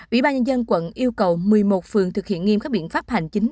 ủy ban nhân dân quận yêu cầu một mươi một phường thực hiện nghiêm các biện pháp hành chính